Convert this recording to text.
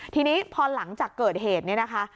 ทีนี้พอหลังจากเกิดเหตุเนี่ยนะคะ